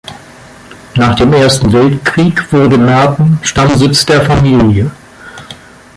Nach dem Ersten Weltkrieg wurde Merten Stammsitz der Familie.